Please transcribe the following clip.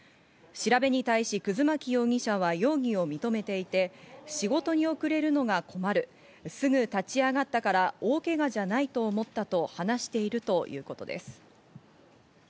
調べに対し、葛巻容疑者は容疑を認めていて、仕事に遅れるのが困る、すぐ立ち上がったから大けがじゃないと思ったと話しているということです。